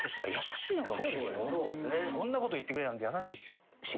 そんなこと言ってくれるなんて優しいですよ。